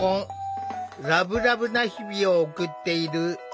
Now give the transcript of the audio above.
ラブラブな日々を送っている。